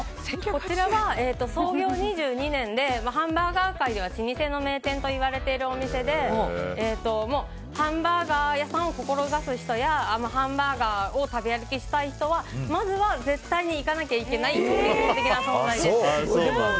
こちらは、創業２２年でハンバーガー界では老舗の名店だといわれているお店でハンバーガー屋さんを出す人やハンバーガーを食べ歩きしたい人はまずは絶対に行かなきゃいけない存在です。